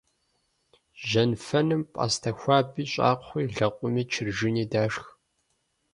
Жьэнфэным пӀастэ хуаби, щӀакхъуи, лэкъуми, чыржыни дашх.